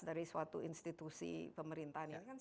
dari suatu institusi pemerintah